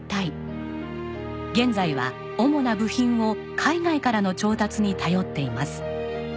現在は主な部品を海外からの調達に頼っています。